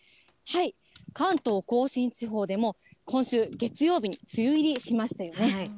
関東甲信地方でも、今週月曜日に梅雨入りしましたよね。